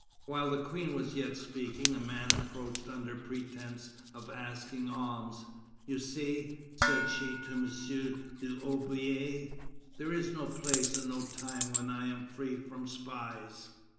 While the Queen was yet speaking, a man approached under pretence of asking alms. "You see," said she to M. d'Aubier, "there is no place and no time when I am free from spies."